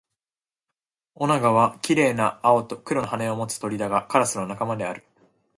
オナガは綺麗な青と黒の羽を持つ鳥だが、カラスの仲間である